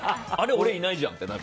俺いないじゃんってなる。